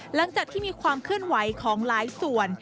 หลังจากที่มีความเคลื่อนไหวของหลายส่วน